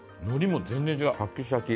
シャキシャキ。